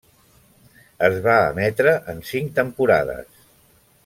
Es va emetre en cinc temporades.